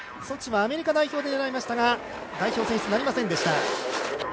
ソチはアメリカ代表で狙いましたが、代表選出はなりませんでした。